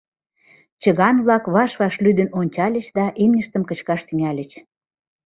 Чыган-влак ваш-ваш лӱдын ончальыч да имньыштым кычкаш тӱҥальыч.